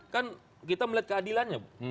kan kita melihat keadilannya